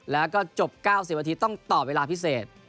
แล้วก็จบ๙๐นาทีต้องตอบเวลาพิเศษ